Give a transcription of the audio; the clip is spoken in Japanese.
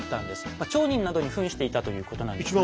まあ町人などにふんしていたということなんですが。